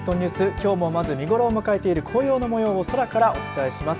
きょうもまず見ごろを迎えている紅葉の模様を空からお伝えします。